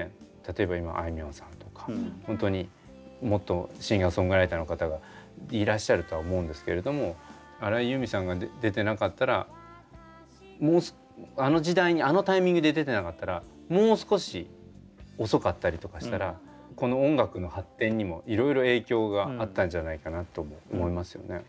例えば今あいみょんさんとかホントにもっとシンガーソングライターの方がいらっしゃるとは思うんですけれども荒井由実さんが出てなかったらあの時代にあのタイミングで出てなかったらもう少し遅かったりとかしたらこの音楽の発展にもいろいろ影響があったんじゃないかなとも思いますよね。